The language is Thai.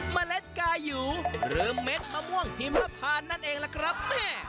เมล็ดกายูหรือเม็ดมะม่วงหิมพานนั่นเองล่ะครับแม่